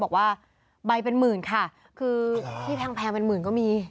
บอกว่าใบเป็นหมื่นค่ะคือที่แพงเป็นหมื่นก็มี